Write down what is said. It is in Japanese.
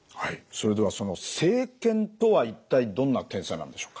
それではその生検とは一体どんな検査なんでしょうか？